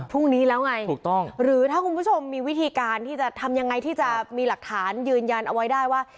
พรุ่งนี้แล้วไงถูกต้องหรือถ้าคุณผู้ชมมีวิธีการที่จะทำยังไงที่จะมีหลักฐานยืนยันเอาไว้ได้ว่า